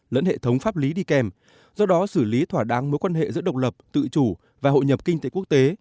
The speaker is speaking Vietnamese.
lẫn hệ thống pháp lý đi kèm do đó xử lý thỏa đáng mối quan hệ giữa độc lập tự chủ và hội nhập kinh tế quốc tế